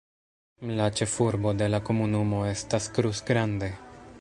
La ĉefurbo de la komunumo estas Cruz Grande.